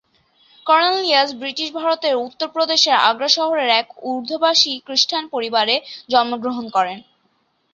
Cornelius British ভারতের উত্তর প্রদেশের আগ্রা শহরের এক উর্দুভাষী খ্রিস্টান পরিবারে জন্মগ্রহণ করেন।